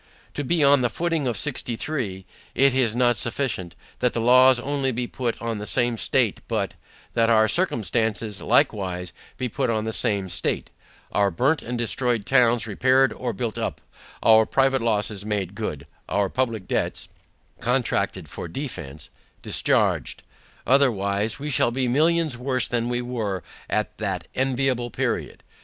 To be on the footing of sixty three, it is not sufficient, that the laws only be put on the same state, but, that our circumstances, likewise, be put on the same state; Our burnt and destroyed towns repaired or built up, our private losses made good, our public debts (contracted for defence) discharged; otherwise, we shall be millions worse than we were at that enviable period.